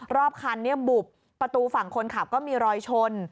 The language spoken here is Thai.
รอบคันบุบประตูฝั่งคนขับก็มีรอยชน